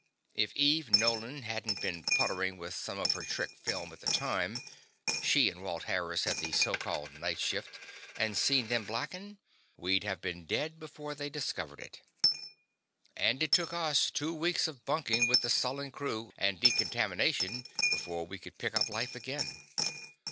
If Eve Nolan hadn't been puttering with some of her trick films at the time she and Walt Harris had the so called night shift and seen them blacken, we'd have been dead before they discovered it. And it took us two weeks of bunking with the sullen crew and decontamination before we could pick up life again.